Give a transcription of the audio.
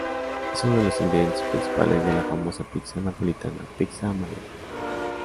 Es uno de los ingredientes principales de la famosa pizza napolitana "pizza margherita".